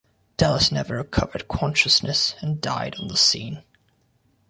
Dallas never recovered consciousness and died on the scene.